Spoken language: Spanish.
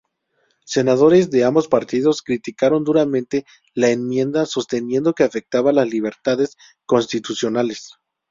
Senadores de ambos partidos criticaron duramente la enmienda, sosteniendo que afectaba las libertades constitucionales.